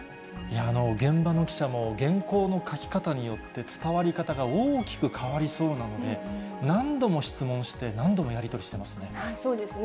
現場の記者も、原稿の書き方によって、伝わり方が大きく変わりそうなので、何度も質問して、そうですね。